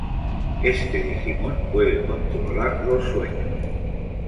Este Digimon puede controlar los sueños.